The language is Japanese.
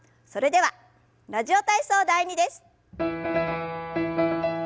それでは「ラジオ体操第２」です。